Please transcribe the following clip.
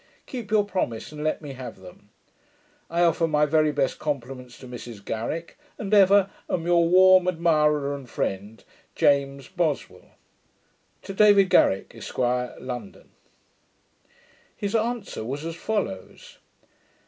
Keep your promise, and let me have them. I offer my very best compliments to Mrs Garrick, and ever am Your warm admirer and friend, JAMES BOSWELL. To David Garrick, Esq; London. His answer was as follows.